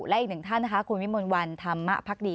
และอีกหนึ่งท่านคุณวิมนต์วันธรรมะพักดี